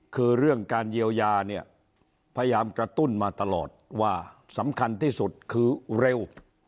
คือเรื่องการเยียวยาเนี่ยพยายามกระตุ้นมาตลอดว่าสำคัญที่สุดคือเร็ว